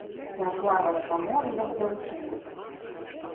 Я плаваю па моры, як дзяўчына.